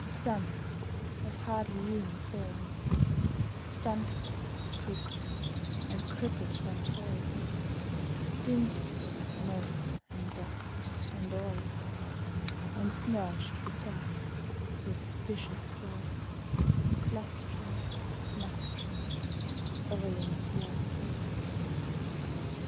Some, of hardly human form, Stunted, crooked, and crippled by toil; Dingy with smoke and dust and oil, And smirch'd besides with vicious soil, Clustering, mustering, all in a swarm.